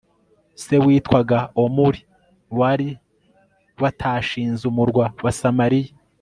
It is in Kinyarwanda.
Se witwaga Omuri wari watashinze umurwa wa Samariya